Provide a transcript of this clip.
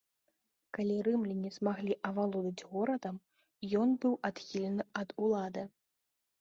Калі рымляне змаглі авалодаць горадам, ён быў адхілены ад улады.